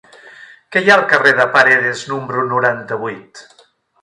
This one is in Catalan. Què hi ha al carrer de Paredes número noranta-vuit?